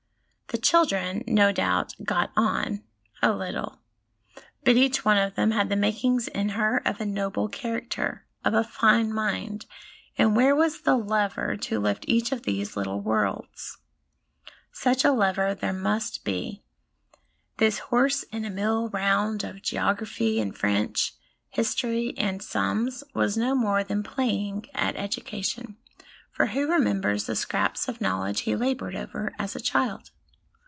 The children, no doubt, 'got on' a little ; but each one of them had the makings in her of a noble character, of a fine mind, and where was the lever to lift each of these little worlds ? Such a lever there must be. This horse in a mill round of geography and French, history and sums, was no more than playing at education ; for who remembers the scraps of knowledge he laboured over as a child